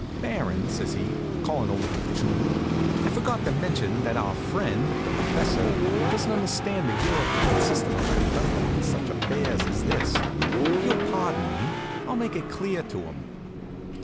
"Baron," says he, callin' over to Patchouli, "I forgot to mention that our friend, the professor, doesn't understand the European system of conducting such affairs as this. If you'll pardon me, I'll make it clear to him."